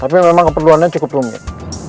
tapi memang keperluannya cukup rumit